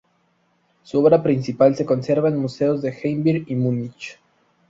Su obra principal se conserva en museos de Heidelberg y Munich.